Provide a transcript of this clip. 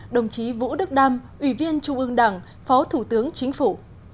đồng chí vũ đức đam ủy viên trung ương đảng phó thủ tướng chính phủ